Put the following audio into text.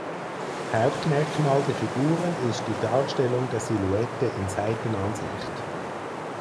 Hauptmerkmal der Figuren ist die Darstellung der Silhouette in Seitenansicht.